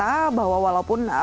yang terlihat bahwa walaupun